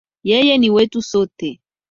Yeye ni wetu sote